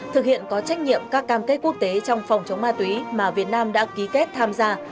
thực hiện có trách nhiệm các cam kết quốc tế trong phòng chống ma túy mà việt nam đã ký kết tham gia